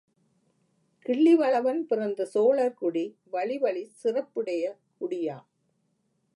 கிள்ளி வளவன் பிறந்த சோழர்குடி வழி வழிச் சிறப்புடைய குடியாம்.